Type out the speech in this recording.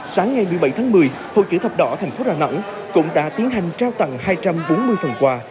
sáng ngày một mươi bảy tháng một mươi hội chữ thập đỏ thành phố rà nẵng cũng đã tiến hành trao tặng hai trăm bốn mươi phần quà